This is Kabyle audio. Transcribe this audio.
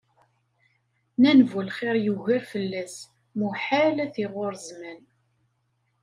Nnan bu lxir yugar fell-as, muḥal ad t-iɣurr zzman.